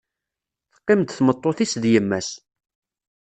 Teqqim-d tmeṭṭut-is d yemma-s.